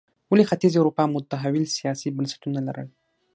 ولې ختیځې اروپا متحول سیاسي بنسټونه لرل.